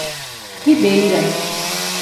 Ribeira